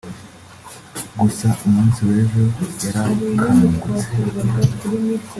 gusa umunsi w’ejo yarakangutse